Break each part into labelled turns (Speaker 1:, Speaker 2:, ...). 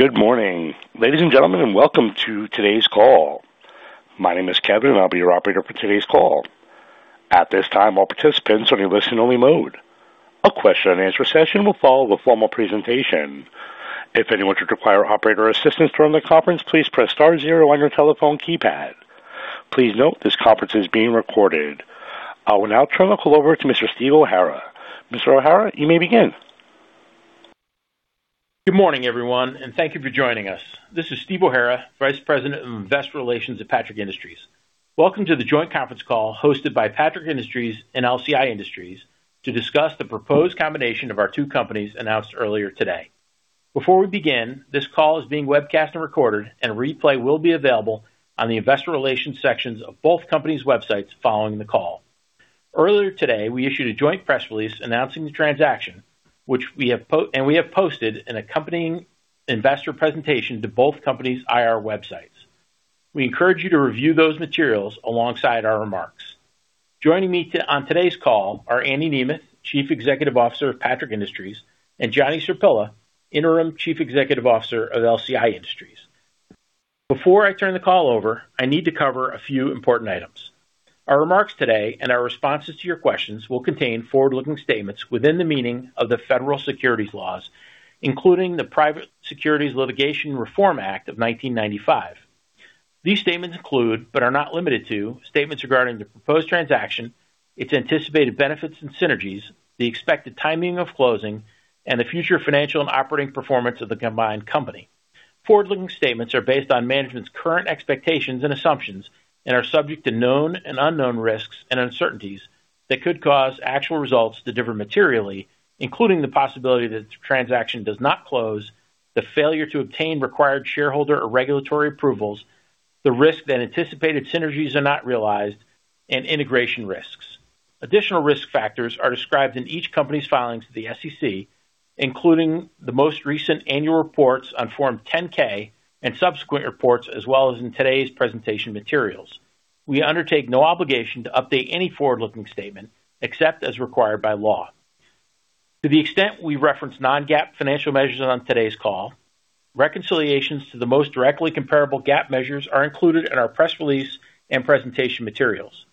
Speaker 1: Good morning, ladies and gentlemen, and welcome to today's call. My name is Kevin, and I'll be your operator for today's call. At this time, all participants are in listen only mode. A question and answer session will follow the formal presentation. If anyone should require operator assistance during the conference, please press star zero on your telephone keypad. Please note this conference is being recorded. I will now turn the call over to Mr. Stephen O'Hara. Mr. O'Hara, you may begin.
Speaker 2: Good morning, everyone, and thank you for joining us. This is Stephen O'Hara, Vice President of Investor Relations at Patrick Industries. Welcome to the joint conference call hosted by Patrick Industries and LCI Industries to discuss the proposed combination of our two companies announced earlier today. Before we begin, this call is being webcast and recorded, and a replay will be available on the investor relations sections of both companies' websites following the call. Earlier today, we issued a joint press release announcing the transaction, and we have posted an accompanying investor presentation to both companies' IR websites. We encourage you to review those materials alongside our remarks. Joining me on today's call are Andy Nemeth, Chief Executive Officer of Patrick Industries, and Johnny Sirpilla, Interim Chief Executive Officer of LCI Industries. Before I turn the call over, I need to cover a few important items. Our remarks today and our responses to your questions will contain forward-looking statements within the meaning of the Federal Securities laws, including the Private Securities Litigation Reform Act of 1995. These statements include, but are not limited to, statements regarding the proposed transaction, its anticipated benefits and synergies, the expected timing of closing, and the future financial and operating performance of the combined company. Forward-looking statements are based on management's current expectations and assumptions and are subject to known and unknown risks and uncertainties that could cause actual results to differ materially, including the possibility that the transaction does not close, the failure to obtain required shareholder or regulatory approvals, the risk that anticipated synergies are not realized, and integration risks. Additional risk factors are described in each company's filings with the SEC, including the most recent annual reports on Form 10-K and subsequent reports, as well as in today's presentation materials. We undertake no obligation to update any forward-looking statement except as required by law. To the extent we reference non-GAAP financial measures on today's call, reconciliations to the most directly comparable GAAP measures are included in our press release and presentation materials.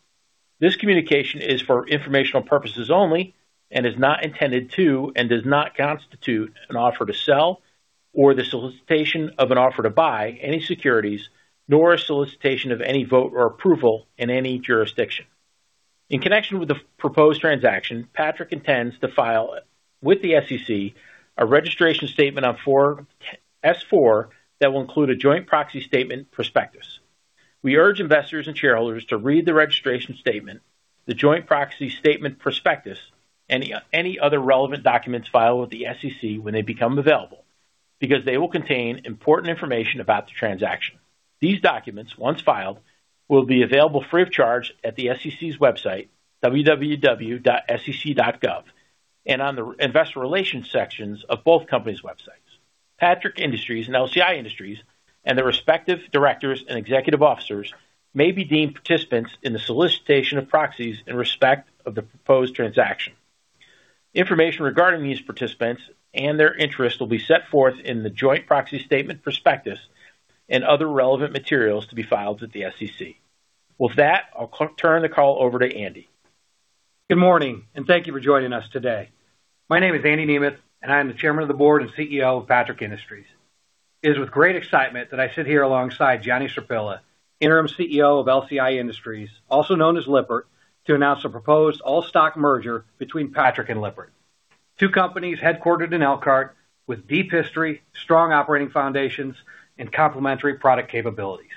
Speaker 2: This communication is for informational purposes only and is not intended to, and does not constitute an offer to sell or the solicitation of an offer to buy any securities nor a solicitation of any vote or approval in any jurisdiction. In connection with the proposed transaction, Patrick intends to file with the SEC a registration statement on S-4 that will include a joint proxy statement prospectus. We urge investors and shareholders to read the registration statement, the joint proxy statement prospectus, and any other relevant documents filed with the SEC when they become available because they will contain important information about the transaction. These documents, once filed, will be available free of charge at the SEC's website, www.sec.gov, and on the investor relations sections of both companies' websites. Patrick Industries and LCI Industries and their respective directors and executive officers may be deemed participants in the solicitation of proxies in respect of the proposed transaction. Information regarding these participants and their interest will be set forth in the joint proxy statement prospectus and other relevant materials to be filed with the SEC. With that, I'll turn the call over to Andy.
Speaker 3: Good morning. Thank you for joining us today. My name is Andy Nemeth, and I am the Chairman of the Board and Chief Executive Officer of Patrick Industries. It is with great excitement that I sit here alongside Johnny Sirpilla, Interim Chief Executive Officer of LCI Industries, also known as Lippert, to announce a proposed all-stock merger between Patrick and Lippert. Two companies headquartered in Elkhart with deep history, strong operating foundations, and complementary product capabilities.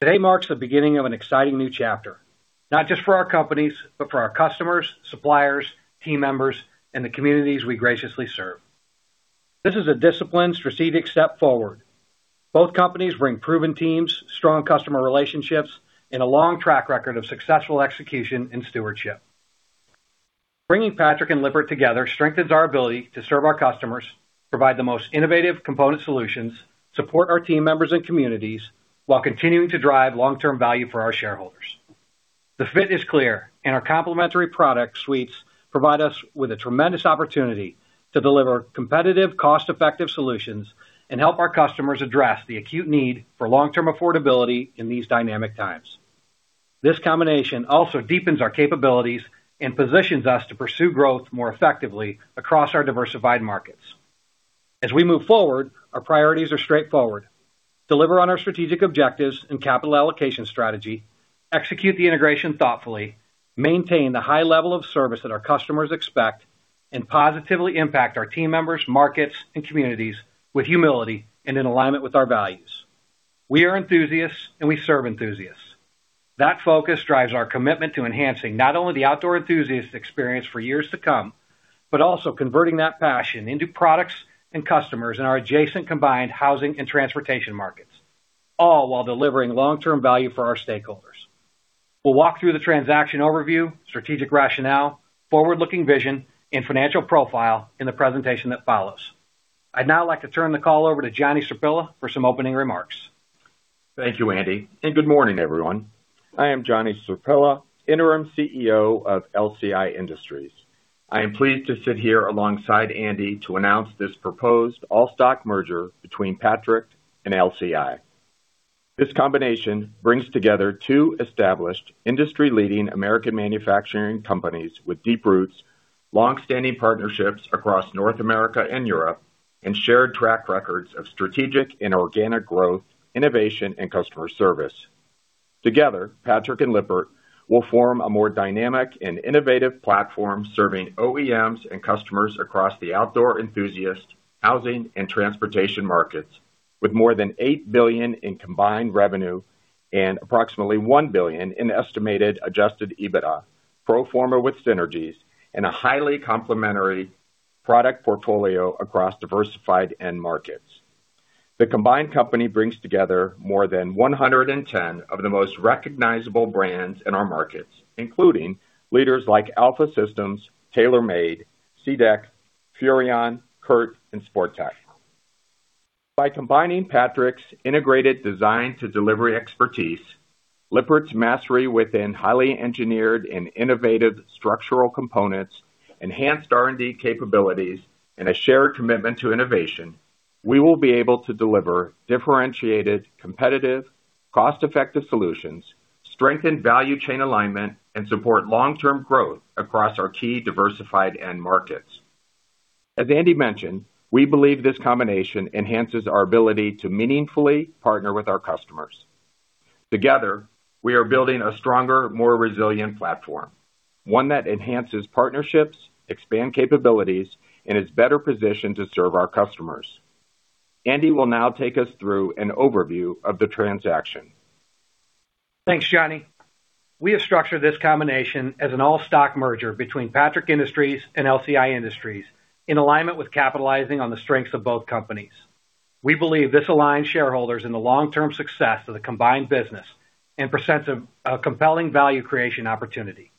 Speaker 3: Today marks the beginning of an exciting new chapter, not just for our companies, but for our customers, suppliers, team members, and the communities we graciously serve. This is a disciplined, strategic step forward. Both companies bring proven teams, strong customer relationships, and a long track record of successful execution and stewardship. Bringing Patrick and Lippert together strengthens our ability to serve our customers, provide the most innovative component solutions, support our team members and communities, while continuing to drive long-term value for our shareholders. The fit is clear. Our complementary product suites provide us with a tremendous opportunity to deliver competitive, cost-effective solutions and help our customers address the acute need for long-term affordability in these dynamic times. This combination also deepens our capabilities and positions us to pursue growth more effectively across our diversified markets. As we move forward, our priorities are straightforward. Deliver on our strategic objectives and capital allocation strategy, execute the integration thoughtfully, maintain the high level of service that our customers expect, and positively impact our team members, markets, and communities with humility and in alignment with our values. We are enthusiasts. We serve enthusiasts. That focus drives our commitment to enhancing not only the outdoor enthusiast experience for years to come, but also converting that passion into products and customers in our adjacent combined housing and transportation markets, all while delivering long-term value for our stakeholders. We'll walk through the transaction overview, strategic rationale, forward-looking vision, and financial profile in the presentation that follows. I'd now like to turn the call over to Johnny Sirpilla for some opening remarks.
Speaker 4: Thank you, Andy, good morning, everyone. I am Johnny Sirpilla, Interim CEO of LCI Industries. I am pleased to sit here alongside Andy to announce this proposed all-stock merger between Patrick and LCI. This combination brings together two established industry-leading American manufacturing companies with deep roots, longstanding partnerships across North America and Europe, and shared track records of strategic and organic growth, innovation, and customer service. Together, Patrick and Lippert will form a more dynamic and innovative platform serving OEMs and customers across the outdoor enthusiast, housing, and transportation markets, with more than $8 billion in combined revenue and approximately $1 billion in estimated adjusted EBITDA, pro forma with synergies, and a highly complementary product portfolio across diversified end markets. The combined company brings together more than 110 of the most recognizable brands in our markets, including leaders like Alpha Systems, Taylor Made, SeaDek, Furrion, CURT, and Sportech. By combining Patrick's integrated design to delivery expertise, Lippert's mastery within highly engineered and innovative structural components, enhanced R&D capabilities, and a shared commitment to innovation, we will be able to deliver differentiated, competitive, cost-effective solutions, strengthen value chain alignment, and support long-term growth across our key diversified end markets. As Andy mentioned, we believe this combination enhances our ability to meaningfully partner with our customers. Together, we are building a stronger, more resilient platform, one that enhances partnerships, expands capabilities, and is better positioned to serve our customers. Andy will now take us through an overview of the transaction.
Speaker 3: Thanks, Johnny. We have structured this combination as an all-stock merger between Patrick Industries and LCI Industries in alignment with capitalizing on the strengths of both companies. We believe this aligns shareholders in the long-term success of the combined business and presents a compelling value creation opportunity.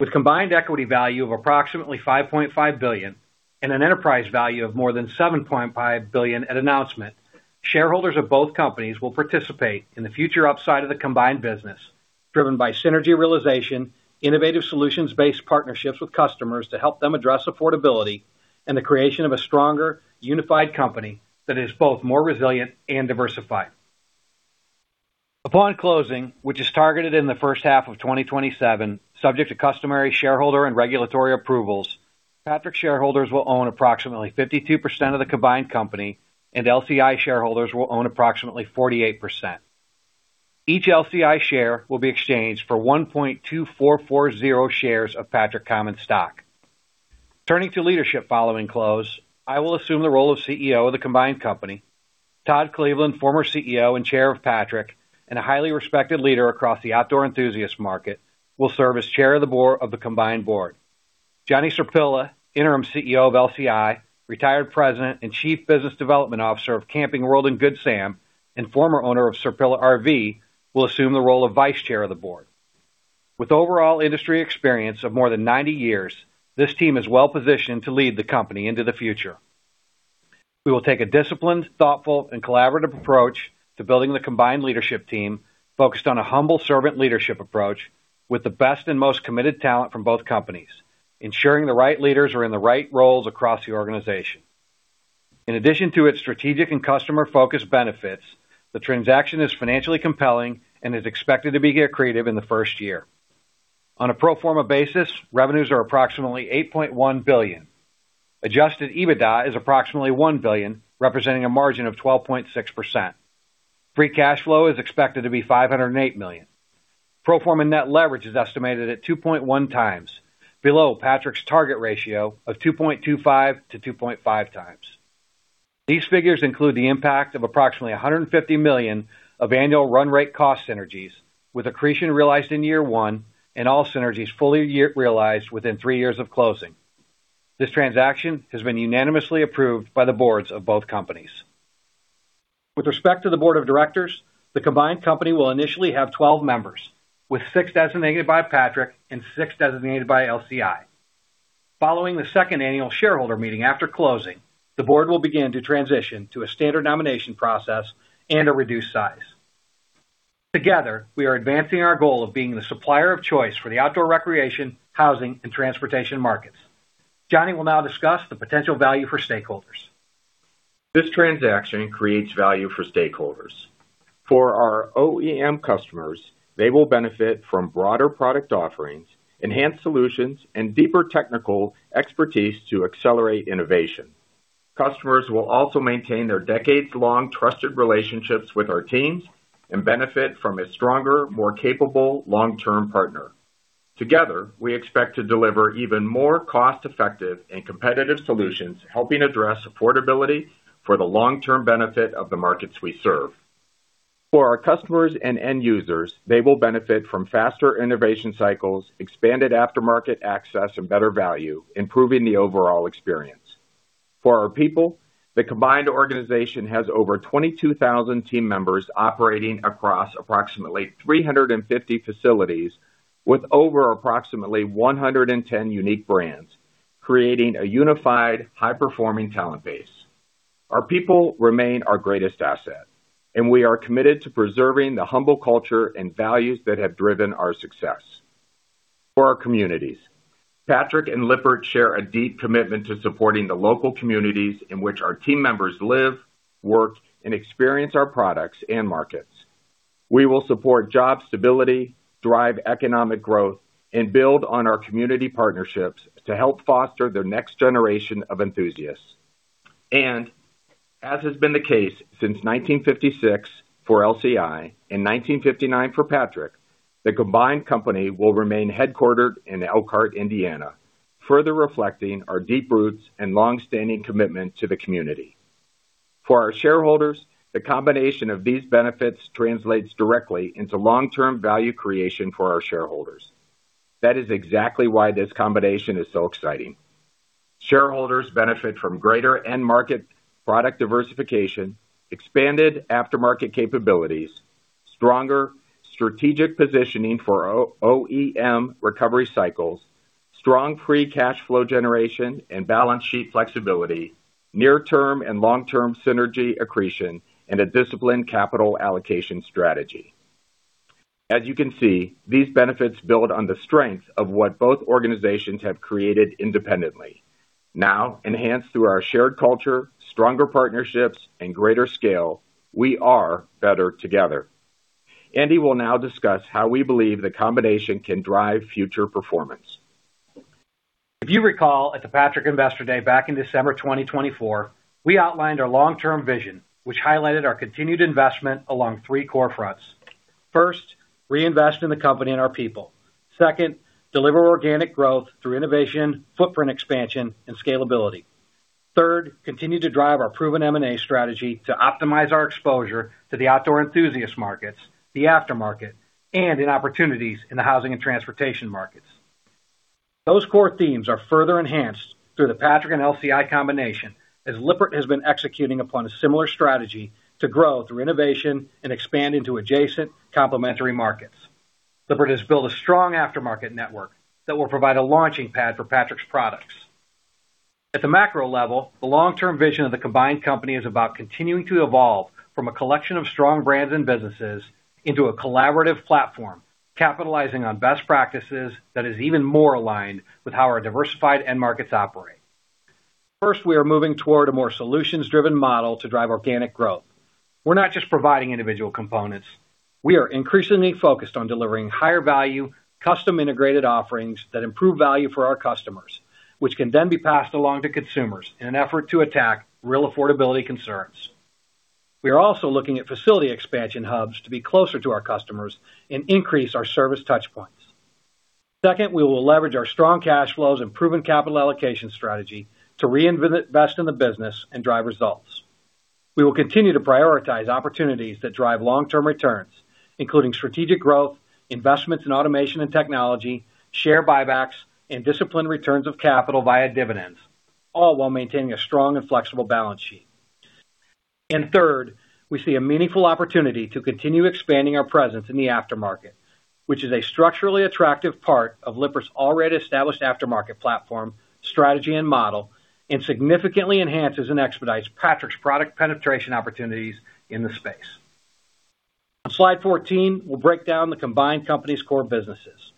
Speaker 3: With combined equity value of approximately $5.5 billion and an enterprise value of more than $7.5 billion at announcement, shareholders of both companies will participate in the future upside of the combined business, driven by synergy realization, innovative solutions-based partnerships with customers to help them address affordability, and the creation of a stronger, unified company that is both more resilient and diversified. Upon closing, which is targeted in the first half of 2027, subject to customary shareholder and regulatory approvals, Patrick shareholders will own approximately 52% of the combined company, and LCI shareholders will own approximately 48%. Each LCI share will be exchanged for 1.2440 shares of Patrick common stock. Turning to leadership following close, I will assume the role of CEO of the combined company. Todd Cleveland, former CEO and Chair of Patrick and a highly respected leader across the outdoor enthusiast market, will serve as Chair of the combined board. Johnny Sirpilla, Interim CEO of LCI, retired President and Chief Business Development Officer of Camping World and Good Sam, and former owner of Sirpilla R.V., will assume the role of Vice Chair of the board. With overall industry experience of more than 90 years, this team is well-positioned to lead the company into the future. We will take a disciplined, thoughtful, and collaborative approach to building the combined leadership team, focused on a humble servant leadership approach with the best and most committed talent from both companies, ensuring the right leaders are in the right roles across the organization. In addition to its strategic and customer-focused benefits, the transaction is financially compelling and is expected to be accretive in the first year. On a pro forma basis, revenues are approximately $8.1 billion. Adjusted EBITDA is approximately $1 billion, representing a margin of 12.6%. Free cash flow is expected to be $508 million. Pro forma net leverage is estimated at 2.1x, below Patrick's target ratio of 2.25x-2.5x. These figures include the impact of approximately $150 million of annual run rate cost synergies with accretion realized in year one and all synergies fully realized within three years of closing. This transaction has been unanimously approved by the boards of both companies. With respect to the Board of Directors, the combined company will initially have 12 members, with six designated by Patrick and six designated by LCI. Following the second annual shareholder meeting after closing, the board will begin to transition to a standard nomination process and a reduced size. Together, we are advancing our goal of being the supplier of choice for the outdoor recreation, housing, and transportation markets. Johnny will now discuss the potential value for stakeholders.
Speaker 4: This transaction creates value for stakeholders. For our OEM customers, they will benefit from broader product offerings, enhanced solutions, and deeper technical expertise to accelerate innovation. Customers will also maintain their decades-long trusted relationships with our teams and benefit from a stronger, more capable long-term partner. Together, we expect to deliver even more cost-effective and competitive solutions, helping address affordability for the long-term benefit of the markets we serve. For our customers and end users, they will benefit from faster innovation cycles, expanded aftermarket access, and better value, improving the overall experience. For our people, the combined organization has over 22,000 team members operating across approximately 350 facilities with over approximately 110 unique brands. Creating a unified, high-performing talent base. Our people remain our greatest asset, and we are committed to preserving the humble culture and values that have driven our success. For our communities, Patrick and Lippert share a deep commitment to supporting the local communities in which our team members live, work, and experience our products and markets. We will support job stability, drive economic growth, and build on our community partnerships to help foster the next generation of enthusiasts. As has been the case since 1956 for LCI and 1959 for Patrick, the combined company will remain headquartered in Elkhart, Indiana, further reflecting our deep roots and longstanding commitment to the community. For our shareholders, the combination of these benefits translates directly into long-term value creation for our shareholders. That is exactly why this combination is so exciting. Shareholders benefit from greater end market product diversification, expanded aftermarket capabilities, stronger strategic positioning for OEM recovery cycles, strong free cash flow generation and balance sheet flexibility, near term and long term synergy accretion, and a disciplined capital allocation strategy. As you can see, these benefits build on the strength of what both organizations have created independently. Now, enhanced through our shared culture, stronger partnerships, and greater scale, we are better together. Andy will now discuss how we believe the combination can drive future performance.
Speaker 3: If you recall, at the Patrick Investor Day back in December 2024, we outlined our long-term vision, which highlighted our continued investment along three core fronts. First, reinvest in the company and our people. Second, deliver organic growth through innovation, footprint expansion, and scalability. Third, continue to drive our proven M&A strategy to optimize our exposure to the outdoor enthusiast markets, the aftermarket, and in opportunities in the housing and transportation markets. Those core themes are further enhanced through the Patrick and LCI combination, as Lippert has been executing upon a similar strategy to grow through innovation and expand into adjacent complementary markets. Lippert has built a strong aftermarket network that will provide a launching pad for Patrick's products. At the macro level, the long-term vision of the combined company is about continuing to evolve from a collection of strong brands and businesses into a collaborative platform, capitalizing on best practices that is even more aligned with how our diversified end markets operate. First, we are moving toward a more solutions-driven model to drive organic growth. We're not just providing individual components. We are increasingly focused on delivering higher value, custom integrated offerings that improve value for our customers, which can then be passed along to consumers in an effort to attack real affordability concerns. We are also looking at facility expansion hubs to be closer to our customers and increase our service touchpoints. Second, we will leverage our strong cash flows and proven capital allocation strategy to reinvest in the business and drive results. We will continue to prioritize opportunities that drive long-term returns, including strategic growth, investments in automation and technology, share buybacks, and disciplined returns of capital via dividends, all while maintaining a strong and flexible balance sheet. Third, we see a meaningful opportunity to continue expanding our presence in the aftermarket, which is a structurally attractive part of Lippert's already established aftermarket platform, strategy, and model, and significantly enhances and expedites Patrick's product penetration opportunities in the space. On slide 14, we'll break down the combined company's core businesses.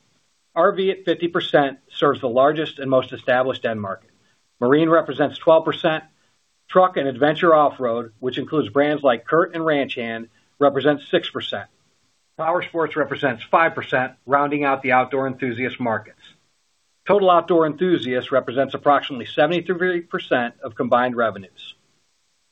Speaker 3: RV at 50% serves the largest and most established end market. Marine represents 12%. Truck and adventure off-road, which includes brands like CURT and Ranch Hand, represents 6%. Powersports represents 5%, rounding out the outdoor enthusiast markets. Total outdoor enthusiasts represents approximately 73% of combined revenues.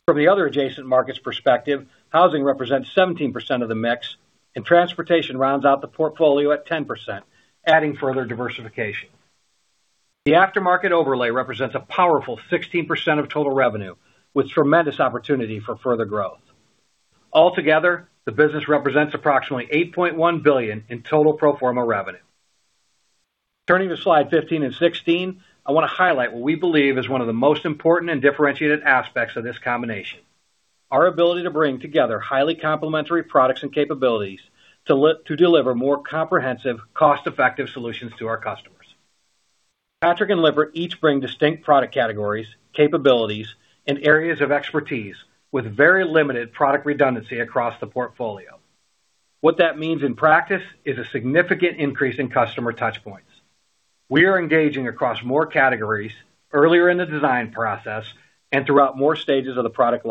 Speaker 3: From the other adjacent markets perspective, housing represents 17% of the mix, and transportation rounds out the portfolio at 10%, adding further diversification. The aftermarket overlay represents a powerful 16% of total revenue, with tremendous opportunity for further growth. Altogether, the business represents approximately $8.1 billion in total pro forma revenue. Turning to slide 15 and 16, I want to highlight what we believe is one of the most important and differentiated aspects of this combination, our ability to bring together highly complementary products and capabilities to deliver more comprehensive, cost-effective solutions to our customers. Patrick and Lippert each bring distinct product categories, capabilities, and areas of expertise with very limited product redundancy across the portfolio. What that means in practice is a significant increase in customer touchpoints. We are engaging across more categories earlier in the design process and throughout more stages of the product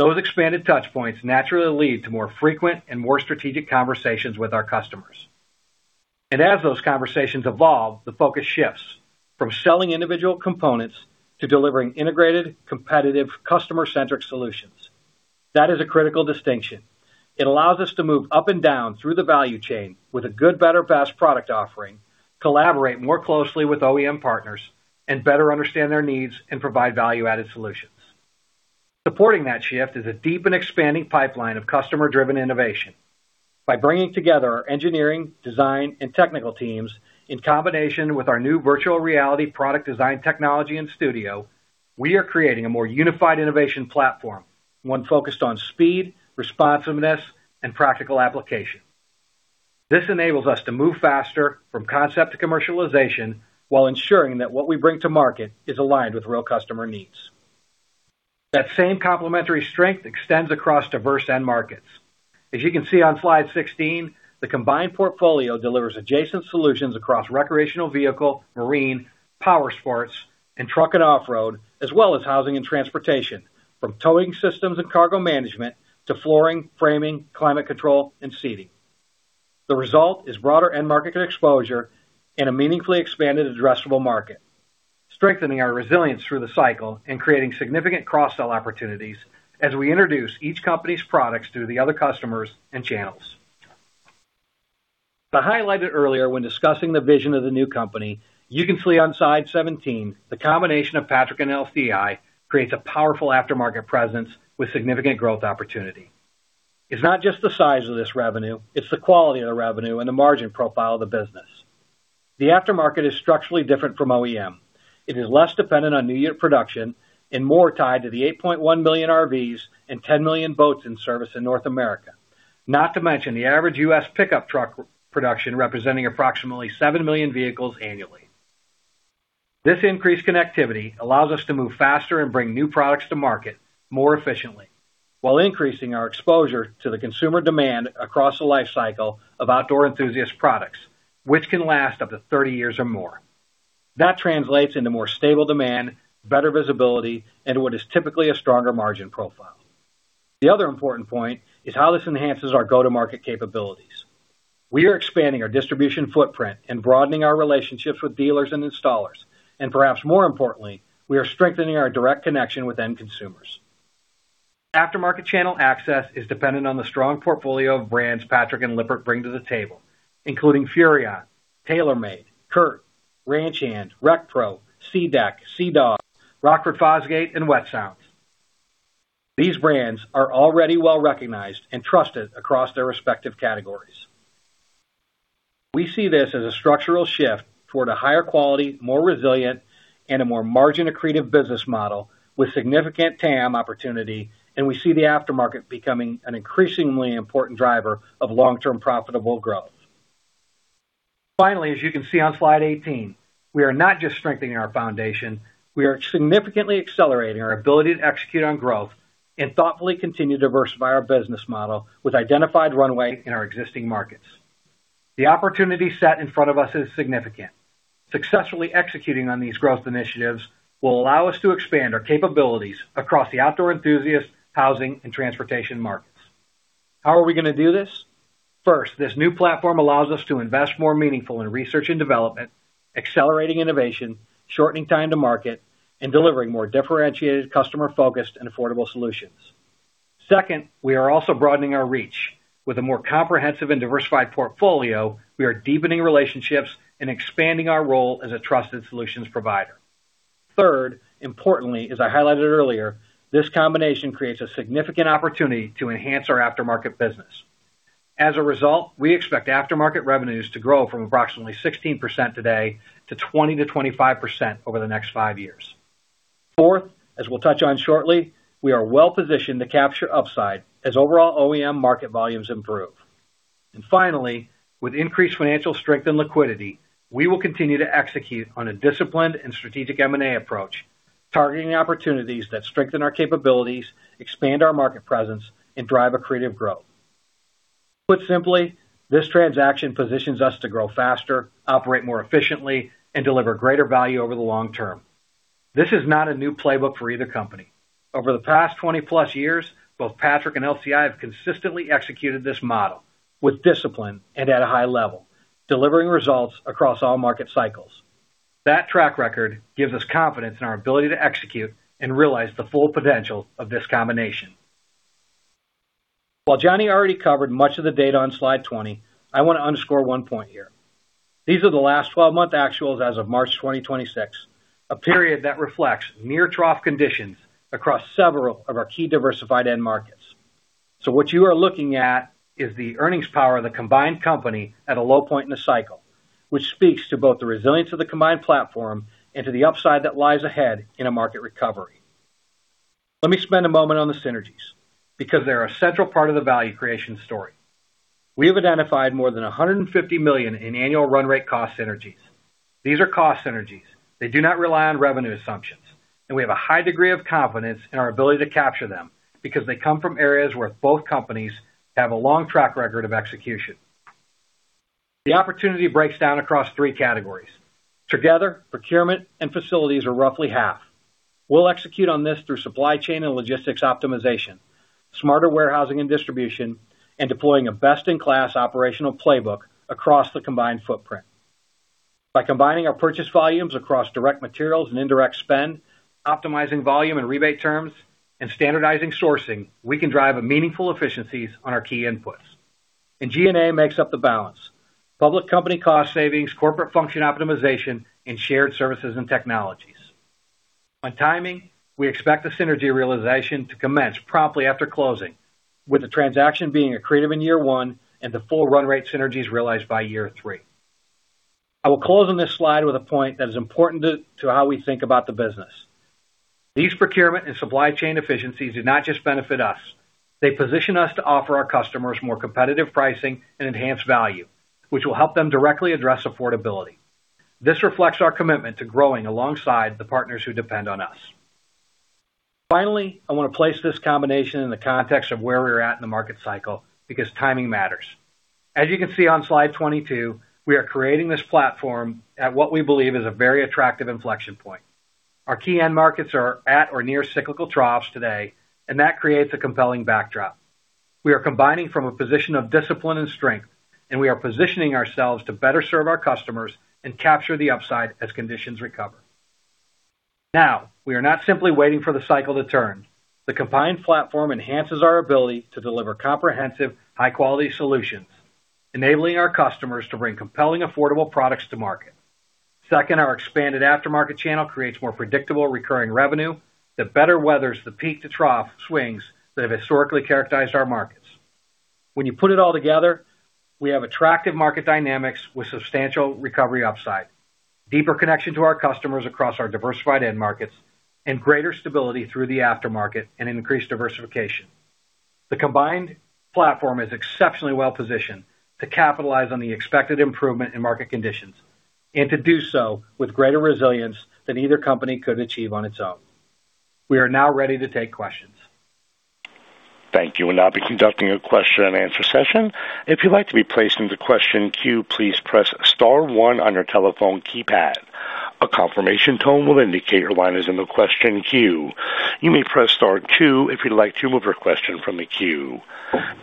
Speaker 3: life cycle. Those expanded touchpoints naturally lead to more frequent and more strategic conversations with our customers. As those conversations evolve, the focus shifts from selling individual components to delivering integrated, competitive, customer-centric solutions. That is a critical distinction. It allows us to move up and down through the value chain with a good, better, best product offering, collaborate more closely with OEM partners, and better understand their needs and provide value-added solutions. Supporting that shift is a deep and expanding pipeline of customer-driven innovation. By bringing together our engineering, design, and technical teams in combination with our new virtual reality product design technology and studio, we are creating a more unified innovation platform, one focused on speed, responsiveness, and practical application. This enables us to move faster from concept to commercialization while ensuring that what we bring to market is aligned with real customer needs. That same complementary strength extends across diverse end markets. As you can see on slide 16, the combined portfolio delivers adjacent solutions across recreational vehicle, marine, powersports, and truck and off-road, as well as housing and transportation, from towing systems and cargo management to flooring, framing, climate control, and seating. The result is broader end market exposure and a meaningfully expanded addressable market, strengthening our resilience through the cycle and creating significant cross-sell opportunities as we introduce each company's products to the other customers and channels. I highlighted earlier when discussing the vision of the new company, you can see on slide 17, the combination of Patrick and LCI creates a powerful aftermarket presence with significant growth opportunity. It's not just the size of this revenue, it's the quality of the revenue and the margin profile of the business. The aftermarket is structurally different from OEM. It is less dependent on new unit production and more tied to the 8.1 million RVs and 10 million boats in service in North America. Not to mention the average U.S. pickup truck production, representing approximately 7 million vehicles annually. This increased connectivity allows us to move faster and bring new products to market more efficiently while increasing our exposure to the consumer demand across the life cycle of outdoor enthusiast products, which can last up to 30 years or more. That translates into more stable demand, better visibility, and what is typically a stronger margin profile. The other important point is how this enhances our go-to-market capabilities. We are expanding our distribution footprint and broadening our relationships with dealers and installers, and perhaps more importantly, we are strengthening our direct connection with end consumers. Aftermarket channel access is dependent on the strong portfolio of brands Patrick and Lippert bring to the table, including Furrion, Taylor Made, CURT, Ranch Hand, RecPro, SeaDek, Sea-Dog, Rockford Fosgate, and Wet Sounds. These brands are already well-recognized and trusted across their respective categories. We see this as a structural shift toward a higher quality, more resilient, and a more margin-accretive business model with significant TAM opportunity, and we see the aftermarket becoming an increasingly important driver of long-term profitable growth. Finally, as you can see on slide 18, we are not just strengthening our foundation, we are significantly accelerating our ability to execute on growth and thoughtfully continue to diversify our business model with identified runway in our existing markets. The opportunity set in front of us is significant. Successfully executing on these growth initiatives will allow us to expand our capabilities across the outdoor enthusiast, housing, and transportation markets. How are we going to do this? First, this new platform allows us to invest more meaningful in research and development, accelerating innovation, shortening time to market, and delivering more differentiated customer-focused and affordable solutions. Second, we are also broadening our reach. With a more comprehensive and diversified portfolio, we are deepening relationships and expanding our role as a trusted solutions provider. Third, importantly, as I highlighted earlier, this combination creates a significant opportunity to enhance our aftermarket business. As a result, we expect aftermarket revenues to grow from approximately 16% today to 20%-25% over the next five years. Fourth, as we'll touch on shortly, we are well positioned to capture upside as overall OEM market volumes improve. Finally, with increased financial strength and liquidity, we will continue to execute on a disciplined and strategic M&A approach, targeting opportunities that strengthen our capabilities, expand our market presence, and drive accretive growth. Put simply, this transaction positions us to grow faster, operate more efficiently, and deliver greater value over the long term. This is not a new playbook for either company. Over the past 20+ years, both Patrick and LCI have consistently executed this model with discipline and at a high level, delivering results across all market cycles. That track record gives us confidence in our ability to execute and realize the full potential of this combination. While Johnny already covered much of the data on slide 20, I want to underscore one point here. These are the last 12-month actuals as of March 2026, a period that reflects near trough conditions across several of our key diversified end markets. So what you are looking at is the earnings power of the combined company at a low point in the cycle, which speaks to both the resilience of the combined platform and to the upside that lies ahead in a market recovery. Let me spend a moment on the synergies, because they're a central part of the value creation story. We have identified more than $150 million in annual run rate cost synergies. These are cost synergies. They do not rely on revenue assumptions, and we have a high degree of confidence in our ability to capture them because they come from areas where both companies have a long track record of execution. The opportunity breaks down across three categories. Together, procurement and facilities are roughly half. We'll execute on this through supply chain and logistics optimization, smarter warehousing and distribution, and deploying a best-in-class operational playbook across the combined footprint. By combining our purchase volumes across direct materials and indirect spend, optimizing volume and rebate terms, and standardizing sourcing, we can drive meaningful efficiencies on our key inputs. G&A makes up the balance. Public company cost savings, corporate function optimization, and shared services and technologies. On timing, we expect the synergy realization to commence promptly after closing, with the transaction being accretive in year one and the full run rate synergies realized by year three. I will close on this slide with a point that is important to how we think about the business. These procurement and supply chain efficiencies do not just benefit us. They position us to offer our customers more competitive pricing and enhanced value, which will help them directly address affordability. This reflects our commitment to growing alongside the partners who depend on us. Finally, I want to place this combination in the context of where we're at in the market cycle, because timing matters. As you can see on slide 22, we are creating this platform at what we believe is a very attractive inflection point. Our key end markets are at or near cyclical troughs today, and that creates a compelling backdrop. We are combining from a position of discipline and strength, and we are positioning ourselves to better serve our customers and capture the upside as conditions recover. Now, we are not simply waiting for the cycle to turn. The combined platform enhances our ability to deliver comprehensive, high-quality solutions, enabling our customers to bring compelling, affordable products to market. Second, our expanded aftermarket channel creates more predictable recurring revenue that better weathers the peak-to-trough swings that have historically characterized our markets. When you put it all together, we have attractive market dynamics with substantial recovery upside, deeper connection to our customers across our diversified end markets, and greater stability through the aftermarket and increased diversification. The combined platform is exceptionally well-positioned to capitalize on the expected improvement in market conditions and to do so with greater resilience than either company could achieve on its own. We are now ready to take questions.
Speaker 1: Thank you. We'll now be conducting a question and answer session. If you'd like to be placed into the question queue, please press star one on your telephone keypad. A confirmation tone will indicate your line is in the question queue. You may press star two if you'd like to remove your question from the queue.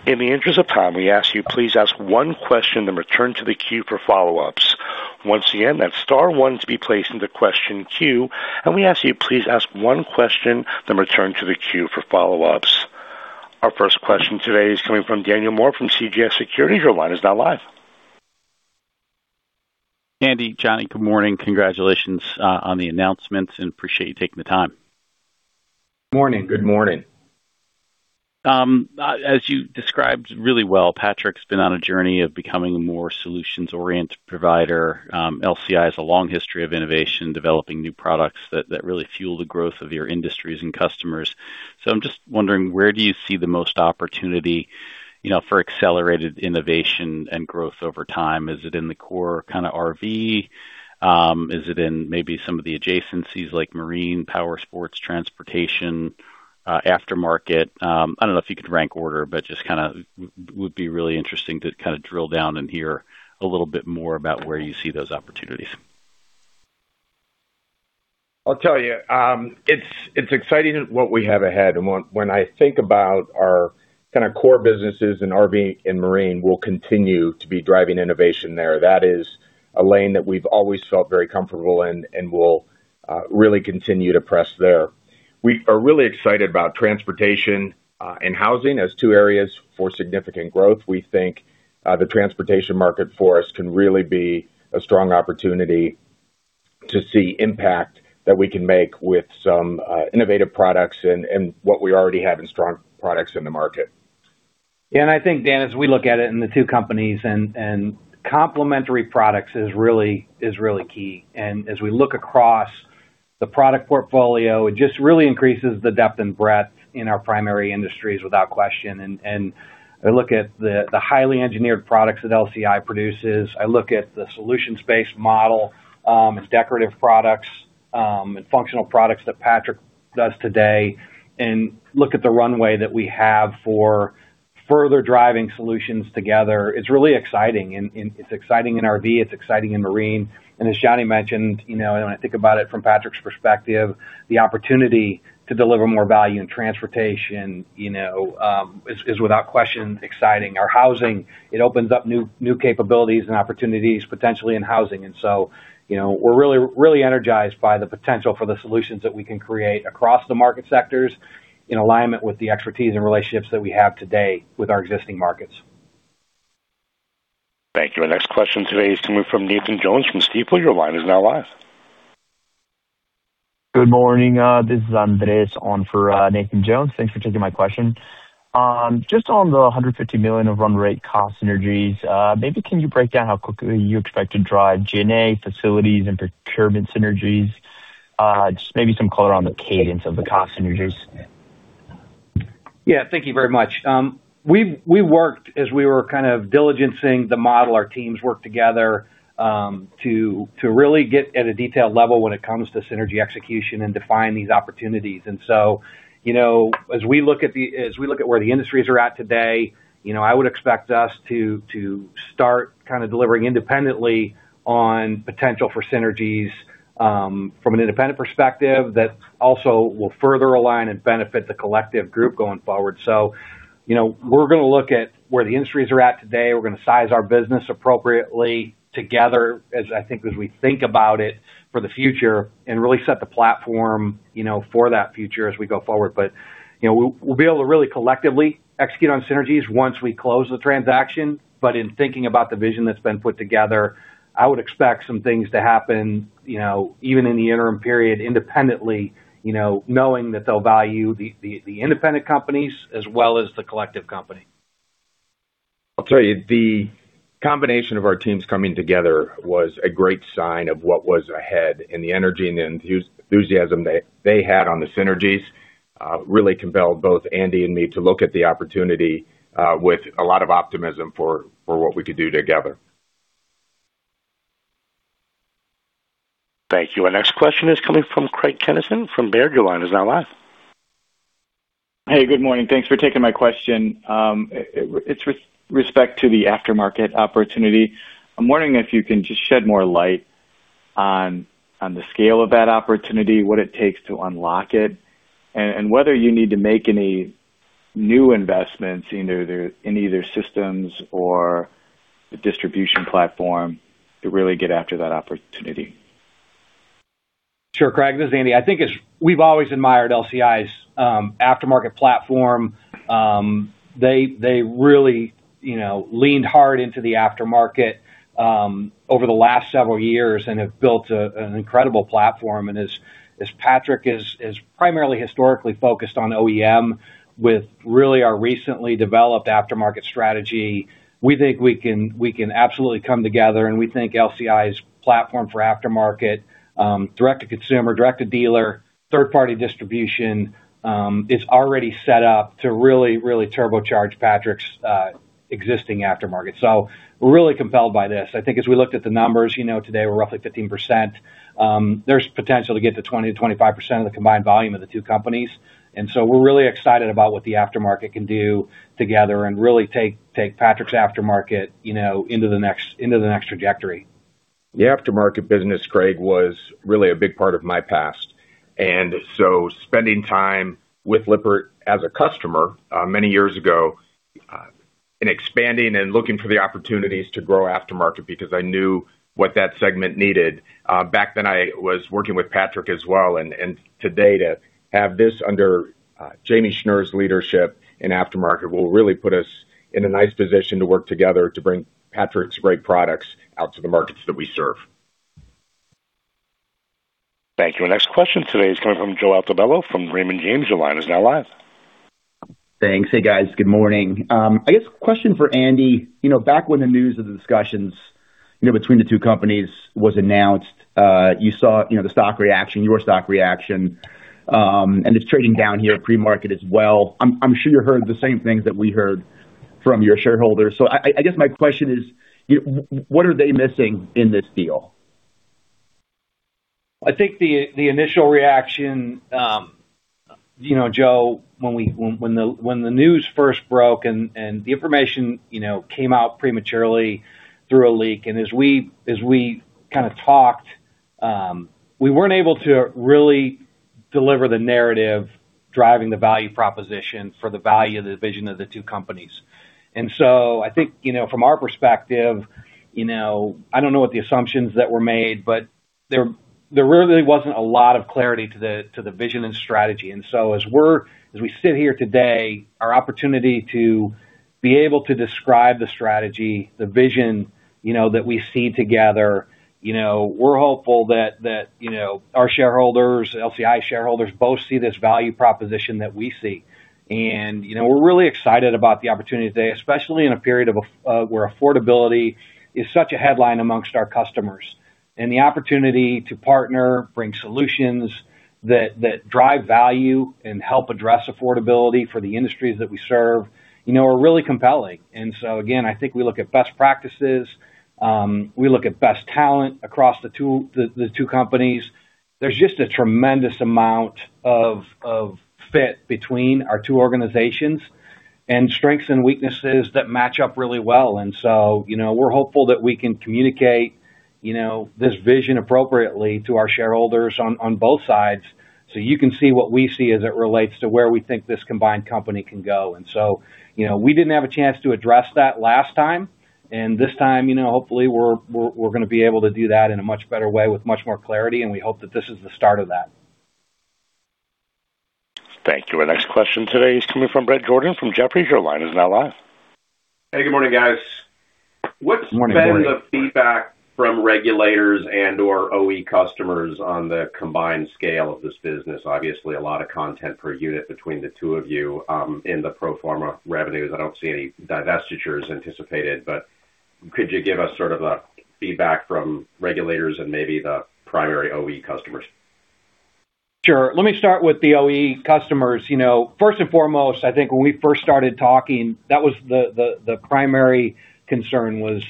Speaker 1: In the interest of time, we ask you please ask one question, then return to the queue for follow-ups. Once again, that's star one to be placed into question queue, and we ask you please ask one question, then return to the queue for follow-ups. Our first question today is coming from Daniel Moore from CJS Securities. Your line is now live.
Speaker 5: Andy, Johnny, good morning. Congratulations on the announcements, appreciate you taking the time.
Speaker 3: Morning.
Speaker 4: Good morning.
Speaker 5: As you described really well, Patrick's been on a journey of becoming a more solutions-oriented provider. LCI has a long history of innovation, developing new products that really fuel the growth of your industries and customers. I'm just wondering, where do you see the most opportunity for accelerated innovation and growth over time? Is it in the core kind of RV? Is it in maybe some of the adjacencies like marine, powersports, transportation, aftermarket? I don't know if you could rank order, but just would be really interesting to kind of drill down and hear a little bit more about where you see those opportunities.
Speaker 4: I'll tell you, it's exciting what we have ahead. When I think about our kind of core businesses in RV and marine will continue to be driving innovation there. That is a lane that we've always felt very comfortable in and will really continue to press there. We are really excited about transportation and housing as two areas for significant growth. We think the transportation market for us can really be a strong opportunity to see impact that we can make with some innovative products and what we already have in strong products in the market.
Speaker 3: I think, Dan, as we look at it in the two companies and complementary products is really key. As we look across the product portfolio, it just really increases the depth and breadth in our primary industries without question. I look at the highly engineered products that LCI produces. I look at the solutions-based model, its decorative products, and functional products that Patrick does today, and look at the runway that we have for further driving solutions together. It's really exciting, and it's exciting in RV, it's exciting in marine. As Johnny mentioned, when I think about it from Patrick's perspective, the opportunity to deliver more value in transportation is without question exciting. Our housing, it opens up new capabilities and opportunities potentially in housing. We're really energized by the potential for the solutions that we can create across the market sectors in alignment with the expertise and relationships that we have today with our existing markets.
Speaker 1: Thank you. Our next question today is coming from Nathan Jones from Stifel. Your line is now live.
Speaker 6: Good morning. This is Andres on for Nathan Jones. Thanks for taking my question. Just on the $150 million of run rate cost synergies, maybe can you break down how quickly you expect to drive G&A facilities and procurement synergies? Just maybe some color on the cadence of the cost synergies.
Speaker 3: Thank you very much. We worked as we were kind of diligencing the model. Our teams worked together, to really get at a detailed level when it comes to synergy execution and define these opportunities. As we look at where the industries are at today, I would expect us to start kind of delivering independently on potential for synergies from an independent perspective that also will further align and benefit the collective group going forward. We're going to look at where the industries are at today. We're going to size our business appropriately together as I think as we think about it for the future and really set the platform for that future as we go forward. We'll be able to really collectively execute on synergies once we close the transaction. In thinking about the vision that's been put together, I would expect some things to happen even in the interim period independently, knowing that they'll value the independent companies as well as the collective company.
Speaker 4: I'll tell you, the combination of our teams coming together was a great sign of what was ahead, and the energy and the enthusiasm they had on the synergies really compelled both Andy and me to look at the opportunity with a lot of optimism for what we could do together.
Speaker 1: Thank you. Our next question is coming from Craig Kennison from Baird. Your line is now live.
Speaker 7: Hey, good morning. Thanks for taking my question. It's with respect to the aftermarket opportunity. I'm wondering if you can just shed more light on the scale of that opportunity, what it takes to unlock it, and whether you need to make any new investments in either systems or the distribution platform to really get after that opportunity.
Speaker 3: Sure, Craig, this is Andy. I think we've always admired LCI's aftermarket platform. They really leaned hard into the aftermarket over the last several years and have built an incredible platform. As Patrick is primarily historically focused on OEM with really our recently developed aftermarket strategy, we think we can absolutely come together, and we think LCI's platform for aftermarket, direct to consumer, direct to dealer, third-party distribution is already set up to really turbocharge Patrick's existing aftermarket. We're really compelled by this. I think as we looked at the numbers, today we're roughly 15%. There's potential to get to 20%-25% of the combined volume of the two companies. We're really excited about what the aftermarket can do together and really take Patrick's aftermarket into the next trajectory.
Speaker 4: The aftermarket business, Craig, was really a big part of my past. Spending time with Lippert as a customer many years ago in expanding and looking for the opportunities to grow aftermarket because I knew what that segment needed. Back then I was working with Patrick as well, and today to have this under Jamie Schnur's leadership in Aftermarket will really put us in a nice position to work together to bring Patrick's great products out to the markets that we serve.
Speaker 1: Thank you. Our next question today is coming from Joe Altobello from Raymond James. Your line is now live.
Speaker 8: Thanks. Hey, guys. Good morning. I guess question for Andy. Back when the news of the discussions between the two companies was announced, you saw the stock reaction, your stock reaction, and it's trading down here pre-market as well. I'm sure you heard the same things that we heard from your shareholders. I guess my question is, what are they missing in this deal?
Speaker 3: I think the initial reaction, Joe, when the news first broke and the information came out prematurely through a leak, as we kind of talked, we weren't able to really deliver the narrative driving the value proposition for the value of the vision of the two companies. I think from our perspective, I don't know what the assumptions that were made, but there really wasn't a lot of clarity to the vision and strategy. As we sit here today, our opportunity to be able to describe the strategy, the vision that we see together, we're hopeful that our shareholders, LCI shareholders both see this value proposition that we see. We're really excited about the opportunity today, especially in a period where affordability is such a headline amongst our customers. The opportunity to partner, bring solutions that drive value and help address affordability for the industries that we serve are really compelling. Again, I think we look at best practices, we look at best talent across the two companies. There's just a tremendous amount of fit between our two organizations and strengths and weaknesses that match up really well. We're hopeful that we can communicate this vision appropriately to our shareholders on both sides so you can see what we see as it relates to where we think this combined company can go. We didn't have a chance to address that last time, and this time hopefully we're going to be able to do that in a much better way with much more clarity, and we hope that this is the start of that.
Speaker 1: Thank you. Our next question today is coming from Bret Jordan from Jefferies. Your line is now live.
Speaker 9: Hey, good morning, guys.
Speaker 4: Morning Bret.
Speaker 9: What's been the feedback from regulators and/or OE customers on the combined scale of this business? Obviously, a lot of content per unit between the two of you in the pro forma revenues. I don't see any divestitures anticipated. Could you give us sort of a feedback from regulators and maybe the primary OE customers?
Speaker 3: Sure. Let me start with the OE customers. First and foremost, I think when we first started talking, the primary concern was,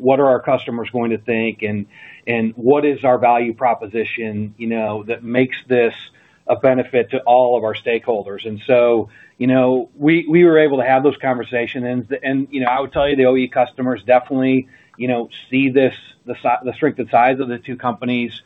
Speaker 3: what are our customers going to think and what is our value proposition that makes this a benefit to all of our stakeholders? We were able to have those conversations, and I would tell you, the OE customers definitely see this, the strength and size of the two companies.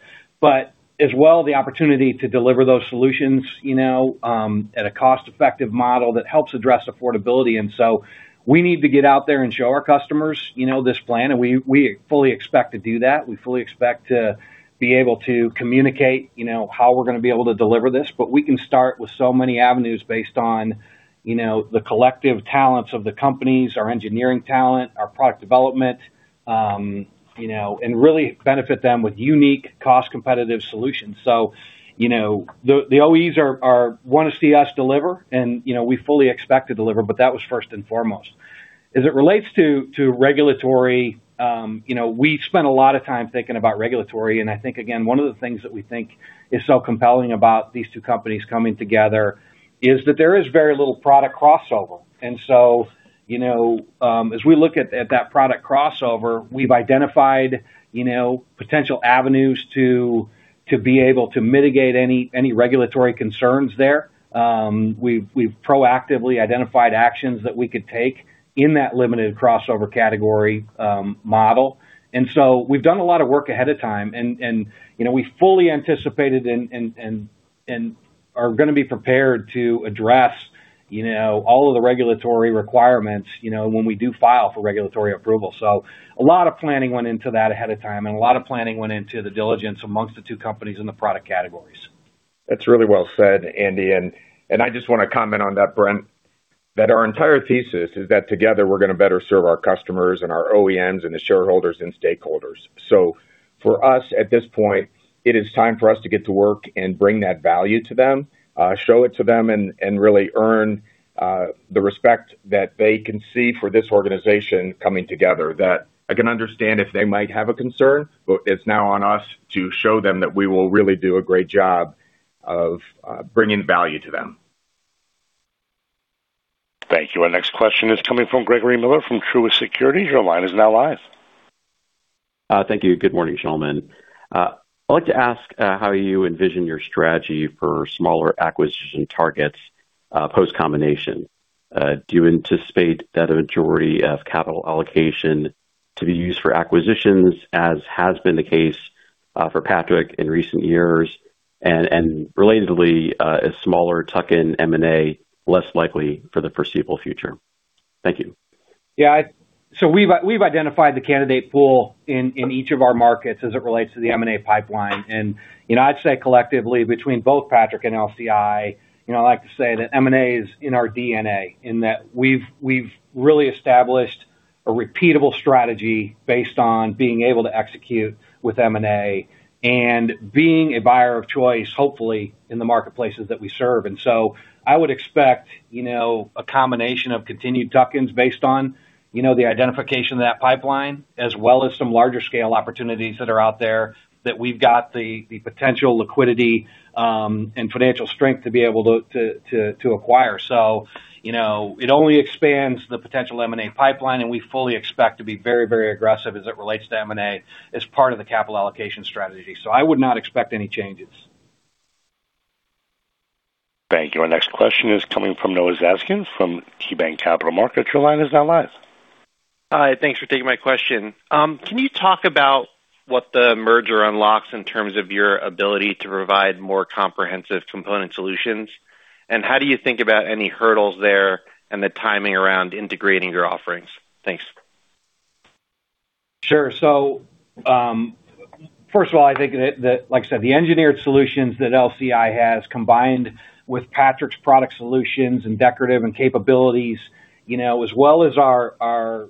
Speaker 3: As well, the opportunity to deliver those solutions at a cost-effective model that helps address affordability. We need to get out there and show our customers this plan, and we fully expect to do that. We fully expect to be able to communicate how we're going to be able to deliver this. We can start with so many avenues based on the collective talents of the companies, our engineering talent, our product development and really benefit them with unique cost-competitive solutions. The OEs want to see us deliver, and we fully expect to deliver, but that was first and foremost. As it relates to regulatory, we spent a lot of time thinking about regulatory, and I think, again, one of the things that we think is so compelling about these two companies coming together is that there is very little product crossover. As we look at that product crossover, we've identified potential avenues to be able to mitigate any regulatory concerns there. We've proactively identified actions that we could take in that limited crossover category model. We've done a lot of work ahead of time, and we fully anticipated and are going to be prepared to address all of the regulatory requirements when we do file for regulatory approval. A lot of planning went into that ahead of time, and a lot of planning went into the diligence amongst the two companies and the product categories.
Speaker 4: That's really well said, Andy, I just want to comment on that, Bret, that our entire thesis is that together we're going to better serve our customers and our OEMs and the shareholders and stakeholders. For us, at this point, it is time for us to get to work and bring that value to them, show it to them, and really earn the respect that they can see for this organization coming together. That I can understand if they might have a concern, but it's now on us to show them that we will really do a great job of bringing value to them.
Speaker 1: Thank you. Our next question is coming from Gregory Miller from Truist Securities. Your line is now live.
Speaker 10: Thank you. Good morning, gentlemen. I'd like to ask how you envision your strategy for smaller acquisition targets post-combination. Do you anticipate that a majority of capital allocation to be used for acquisitions, as has been the case for Patrick in recent years? Relatedly, is smaller tuck-in M&A less likely for the foreseeable future? Thank you.
Speaker 3: We've identified the candidate pool in each of our markets as it relates to the M&A pipeline. I'd say collectively, between both Patrick and LCI, I like to say that M&A is in our DNA in that we've really established a repeatable strategy based on being able to execute with M&A and being a buyer of choice, hopefully, in the marketplaces that we serve. I would expect a combination of continued tuck-ins based on the identification of that pipeline as well as some larger scale opportunities that are out there that we've got the potential liquidity and financial strength to be able to acquire. It only expands the potential M&A pipeline, and we fully expect to be very aggressive as it relates to M&A as part of the capital allocation strategy. I would not expect any changes.
Speaker 1: Thank you. Our next question is coming from Noah Zatzkin from KeyBanc Capital Markets. Your line is now live.
Speaker 11: Hi. Thanks for taking my question. Can you talk about what the merger unlocks in terms of your ability to provide more comprehensive component solutions? How do you think about any hurdles there and the timing around integrating your offerings? Thanks.
Speaker 3: First of all, I think that, like I said, the engineered solutions that LCI has, combined with Patrick's product solutions and decorative and capabilities, as well as our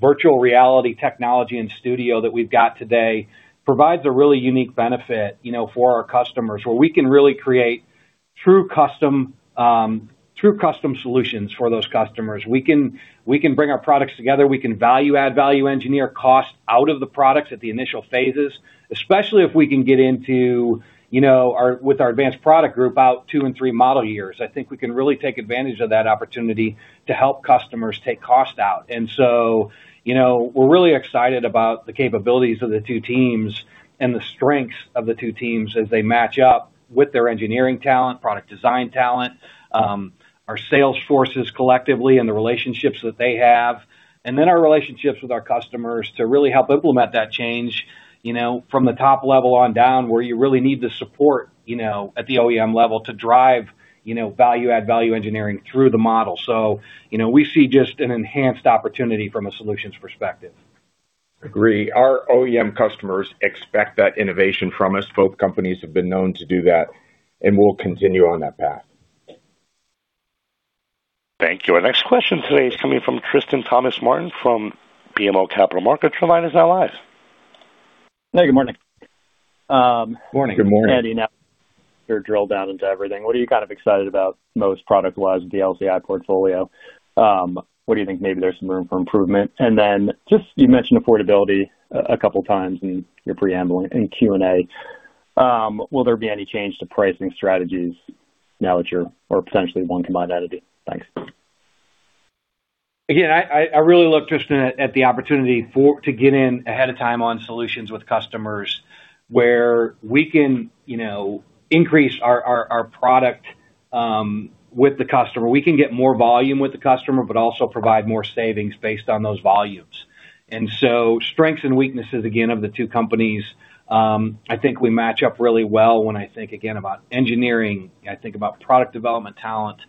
Speaker 3: virtual reality technology and studio that we've got today, provides a really unique benefit for our customers. Where we can really create true custom solutions for those customers. We can bring our products together. We can value add, value engineer cost out of the products at the initial phases, especially if we can get into with our advanced product group about two and three model years. I think we can really take advantage of that opportunity to help customers take cost out. We're really excited about the capabilities of the two teams and the strengths of the two teams as they match up with their engineering talent, product design talent, our sales forces collectively and the relationships that they have, and then our relationships with our customers to really help implement that change from the top level on down, where you really need the support at the OEM level to drive value add, value engineering through the model. We see just an enhanced opportunity from a solutions perspective.
Speaker 4: Agree. Our OEM customers expect that innovation from us. Both companies have been known to do that, and we'll continue on that path.
Speaker 1: Thank you. Our next question today is coming from Tristan Thomas-Martin from BMO Capital Markets. Your line is now live.
Speaker 12: Hey, good morning.
Speaker 4: Morning.
Speaker 3: Good morning.
Speaker 12: Andy, now you drill down into everything, what are you kind of excited about most product-wise with the LCI portfolio? Where do you think maybe there's some room for improvement? You mentioned affordability a couple of times in your preamble in Q&A. Will there be any change to pricing strategies now that or potentially one combined entity? Thanks.
Speaker 3: I really look, Tristan, at the opportunity to get in ahead of time on solutions with customers where we can increase our product with the customer. We can get more volume with the customer, but also provide more savings based on those volumes. Strengths and weaknesses again of the two companies, I think we match up really well when I think again about engineering, I think about product development talent.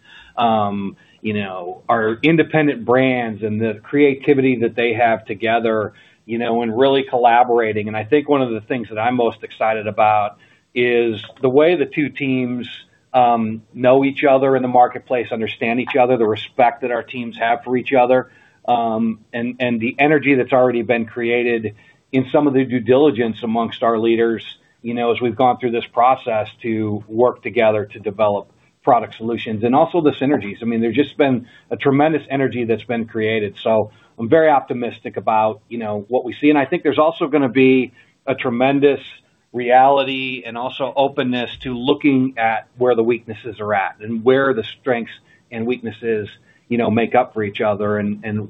Speaker 3: Our independent brands and the creativity that they have together and really collaborating. I think one of the things that I'm most excited about is the way the two teams know each other in the marketplace, understand each other, the respect that our teams have for each other, and the energy that's already been created in some of the due diligence amongst our leaders as we've gone through this process to work together to develop product solutions and also the synergies. I mean, there's just been a tremendous energy that's been created. I'm very optimistic about what we see. I think there's also going to be a tremendous reality and also openness to looking at where the weaknesses are at and where the strengths and weaknesses make up for each other.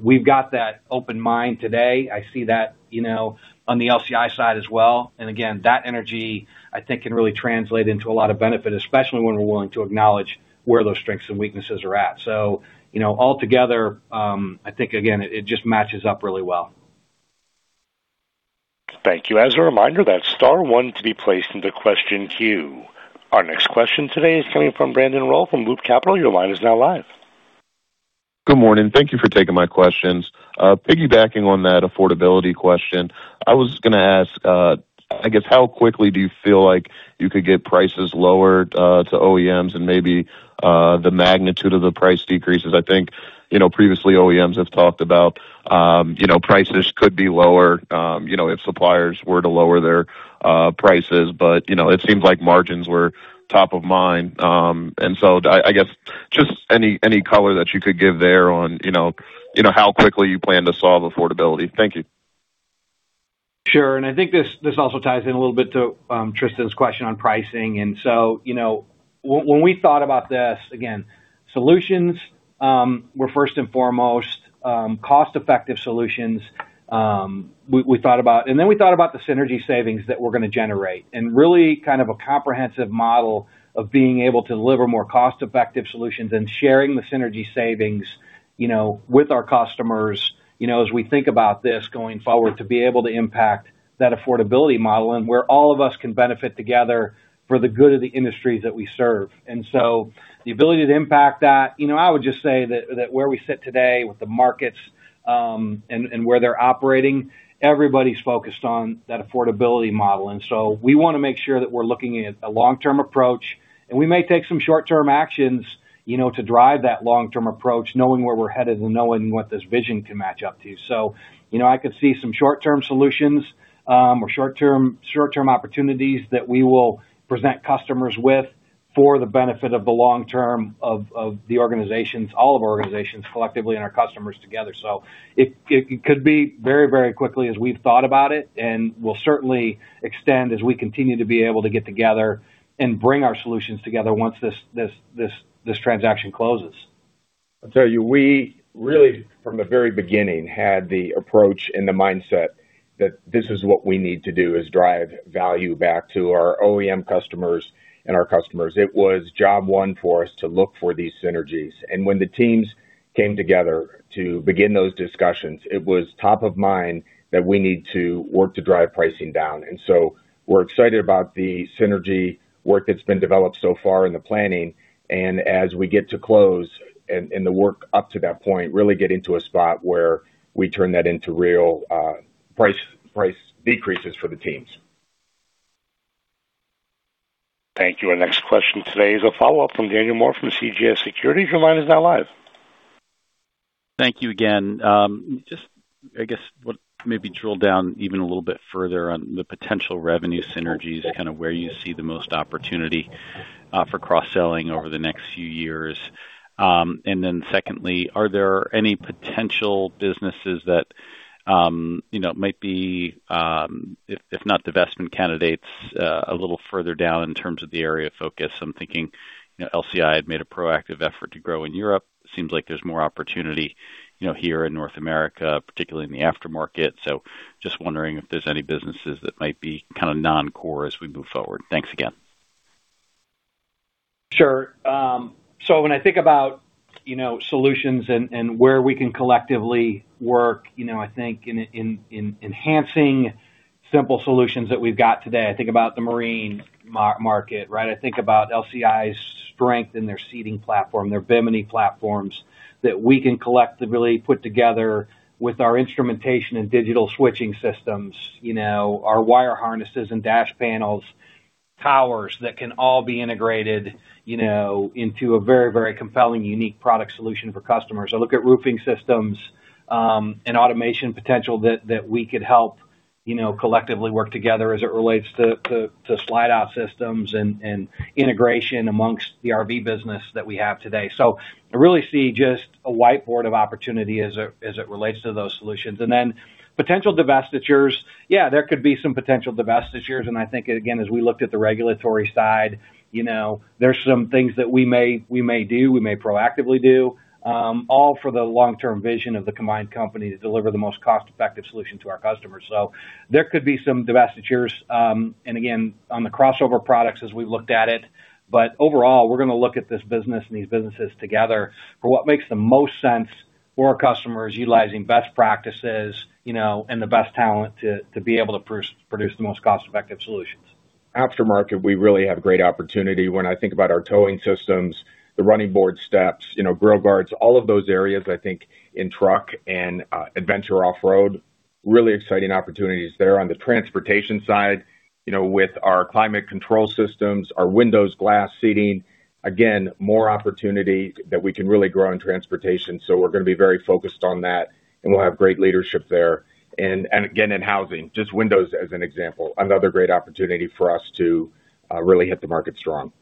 Speaker 3: We've got that open mind today. I see that on the LCI side as well. That energy, I think, can really translate into a lot of benefit, especially when we're willing to acknowledge where those strengths and weaknesses are at. Altogether, I think again, it just matches up really well.
Speaker 1: Thank you. As a reminder, that's star one to be placed into question queue. Our next question today is coming from Brandon Rollé from Loop Capital. Your line is now live.
Speaker 13: Good morning. Thank you for taking my questions. Piggybacking on that affordability question, I was going to ask, I guess how quickly do you feel like you could get prices lowered to OEMs and maybe the magnitude of the price decreases? I think previously OEMs have talked about prices could be lower if suppliers were to lower their prices. It seems like margins were top of mind. I guess just any color that you could give there on how quickly you plan to solve affordability. Thank you.
Speaker 3: Sure. I think this also ties in a little bit to Tristan's question on pricing. When we thought about this, again, solutions were first and foremost cost-effective solutions. Then we thought about the synergy savings that we're going to generate and really kind of a comprehensive model of being able to deliver more cost-effective solutions and sharing the synergy savings with our customers as we think about this going forward to be able to impact that affordability model and where all of us can benefit together for the good of the industries that we serve. The ability to impact that, I would just say that where we sit today with the markets, and where they're operating, everybody's focused on that affordability model. We want to make sure that we're looking at a long-term approach, and we may take some short-term actions to drive that long-term approach, knowing where we're headed and knowing what this vision can match up to. I could see some short-term solutions, or short-term opportunities that we will present customers with for the benefit of the long term of the organizations, all of our organizations collectively and our customers together. It could be very quickly as we've thought about it, and will certainly extend as we continue to be able to get together and bring our solutions together once this transaction closes.
Speaker 4: We really, from the very beginning, had the approach and the mindset that this is what we need to do is drive value back to our OEM customers and our customers. It was job one for us to look for these synergies. When the teams came together to begin those discussions, it was top of mind that we need to work to drive pricing down. We're excited about the synergy work that's been developed so far in the planning, and as we get to close and the work up to that point, really get into a spot where we turn that into real price decreases for the teams.
Speaker 1: Thank you. Our next question today is a follow-up from Daniel Moore from CJS Securities. Your line is now live.
Speaker 5: Thank you again. Just, I guess we'll maybe drill down even a little bit further on the potential revenue synergies, kind of where you see the most opportunity for cross-selling over the next few years. Then secondly, are there any potential businesses that might be if not divestment candidates a little further down in terms of the area of focus? I'm thinking LCI had made a proactive effort to grow in Europe. It seems like there's more opportunity here in North America, particularly in the aftermarket. Just wondering if there's any businesses that might be kind of non-core as we move forward. Thanks again.
Speaker 3: Sure. When I think about solutions and where we can collectively work, I think in enhancing simple solutions that we've got today, I think about the marine market, right? I think about LCI's strength in their seating platform, their Bimini platforms that we can collectively put together with our instrumentation and digital switching systems, our wire harnesses and dash panels, towers that can all be integrated into a very compelling, unique product solution for customers. I look at roofing systems, and automation potential that we could help collectively work together as it relates to slide-out systems and integration amongst the RV business that we have today. I really see just a whiteboard of opportunity as it relates to those solutions. Then potential divestitures, yeah, there could be some potential divestitures. I think, again, as we looked at the regulatory side, there's some things that we may do, we may proactively do, all for the long-term vision of the combined company to deliver the most cost-effective solution to our customers. There could be some divestitures, and again, on the crossover products as we looked at it. Overall, we're going to look at this business and these businesses together for what makes the most sense for our customers utilizing best practices and the best talent to be able to produce the most cost-effective solutions.
Speaker 4: Aftermarket, we really have great opportunity when I think about our towing systems, the running board steps, grille guards, all of those areas I think in truck and adventure off-road, really exciting opportunities there. On the transportation side, with our climate control systems, our windows, glass seating, again, more opportunity that we can really grow in transportation. We're going to be very focused on that and we'll have great leadership there. Again, in housing, just windows as an example, another great opportunity for us to really hit the market strong.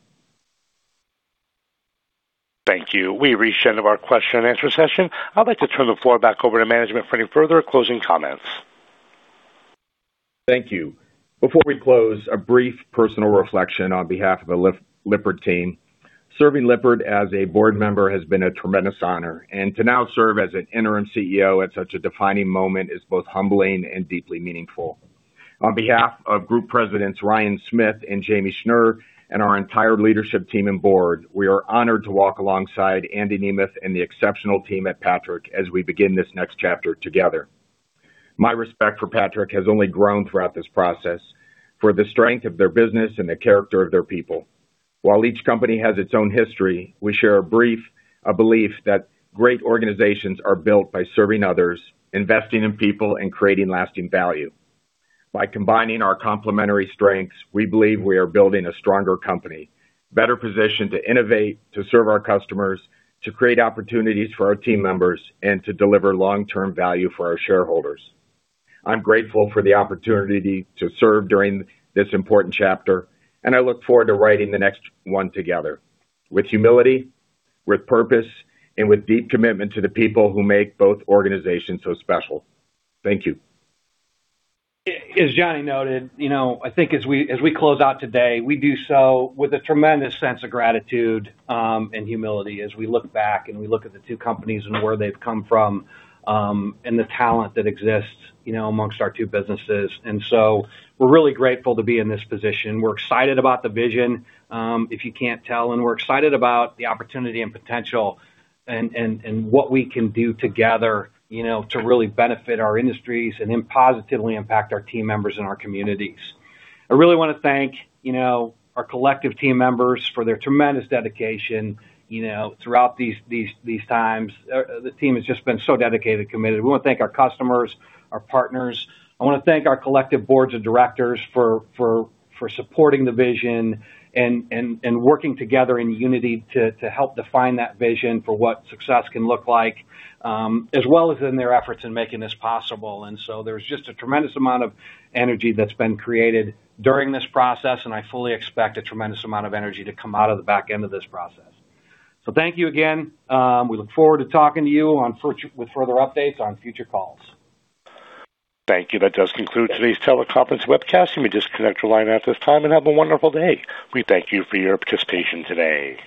Speaker 1: Thank you. We've reached the end of our question and answer session. I'd like to turn the floor back over to management for any further closing comments.
Speaker 4: Thank you. Before we close, a brief personal reflection on behalf of the Lippert team. Serving Lippert as a board member has been a tremendous honor, and to now serve as an interim CEO at such a defining moment is both humbling and deeply meaningful. On behalf of group presidents Ryan Smith and Jamie Schnur, and our entire leadership team and board, we are honored to walk alongside Andy Nemeth and the exceptional team at Patrick as we begin this next chapter together. My respect for Patrick has only grown throughout this process for the strength of their business and the character of their people. While each company has its own history, we share a belief that great organizations are built by serving others, investing in people, and creating lasting value. By combining our complementary strengths, we believe we are building a stronger company, better positioned to innovate, to serve our customers, to create opportunities for our team members, and to deliver long-term value for our shareholders. I'm grateful for the opportunity to serve during this important chapter, I look forward to writing the next one together with humility, with purpose, and with deep commitment to the people who make both organizations so special. Thank you.
Speaker 3: As Johnny noted, I think as we close out today, we do so with a tremendous sense of gratitude and humility as we look back and we look at the two companies and where they've come from and the talent that exists amongst our two businesses. We're really grateful to be in this position. We're excited about the vision, if you can't tell, and we're excited about the opportunity and potential and what we can do together to really benefit our industries and positively impact our team members and our communities. I really want to thank our collective team members for their tremendous dedication throughout these times. The team has just been so dedicated and committed. We want to thank our customers, our partners. I want to thank our collective Boards of Directors for supporting the vision and working together in unity to help define that vision for what success can look like, as well as in their efforts in making this possible. There's just a tremendous amount of energy that's been created during this process, and I fully expect a tremendous amount of energy to come out of the back end of this process. Thank you again. We look forward to talking to you with further updates on future calls.
Speaker 1: Thank you. That does conclude today's teleconference webcast. You may disconnect your line at this time, and have a wonderful day. We thank you for your participation today.